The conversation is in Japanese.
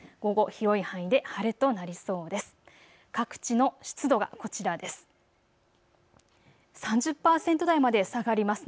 広い範囲で晴れとなりそうです。